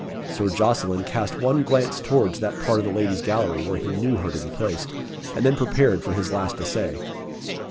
Sir Jocelyn cast one glance towards that part of the ladies' gallery where he knew her to be placed, and then prepared for his last essay.